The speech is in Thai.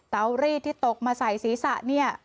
รีดที่ตกมาใส่ศีรษะเนี่ย